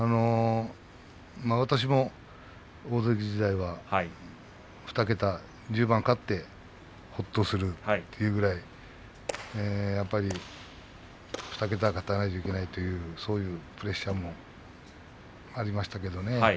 私も大関時代は２桁、１０番勝ってほっとするというぐらいやっぱり２桁勝たないといけないというプレッシャーもありましたけれどもね。